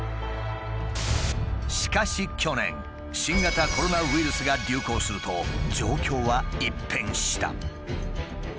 しかし去年新型コロナウイルスが流行すると状況は一変した。